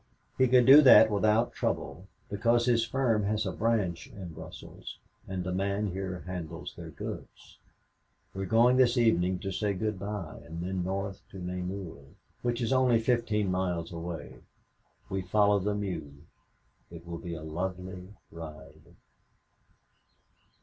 He could do that without trouble because his firm has a branch in Brussels, and a man here handles their goods. We're going this evening to say good by and then north to Namur, which is only fifteen miles away. We follow the Meuse it will be a lovely ride.